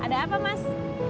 ada apa mas